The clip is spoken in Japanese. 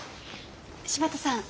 柴田さん